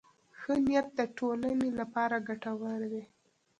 ښه نیت د ټولنې لپاره ګټور دی.